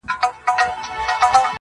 په ځنګله کي د ځنګله قانون چلېږي،